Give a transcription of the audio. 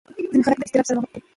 ځینې خلک له اضطراب سره مقاومت کوي.